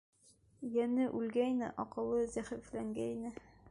Йәне үлгәйне, аҡылы зәғифләнгәйне.